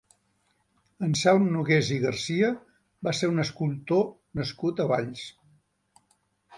Anselm Nogués i Garcia va ser un escultor nascut a Valls.